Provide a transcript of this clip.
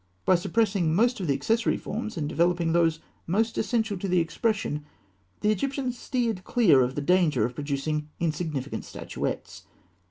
By suppressing most of the accessory forms and developing those most essential to the expression, the Egyptians steered clear of the danger of producing insignificant statuettes.